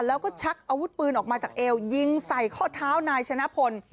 แล้วก็ชักอาวุธปืนออกมาจากเอวยิงใส่ข้อเท้านายชนะพล